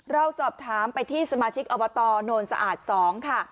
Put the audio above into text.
เราสอบถามไปที่สมาชิกอบตโนนสะอาด๒ค่ะ